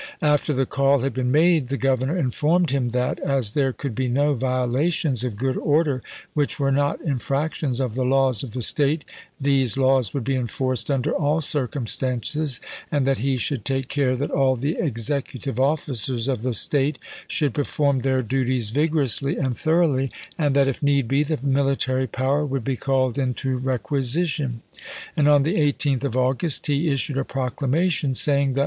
After the call had been made the Governor informed Aug. 15. him that, as there could be no violations of good order which were not infractions of the laws of the State, these laws would be enforced under all circumstances, and that he should take care that all the executive officers of the State should perform their duties vigorously and thoroughly, and that, if need be, the military power would be called into requisition ; and on the 18th of August he issued a proclamation saying that lses.